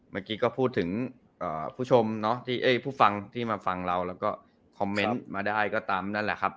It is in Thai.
เมื่อกี้ก็พูดถึงผู้ชมที่ผู้ฟังที่มาฟังเราแล้วก็คอมเมนต์มาได้ก็ตามนั่นแหละครับ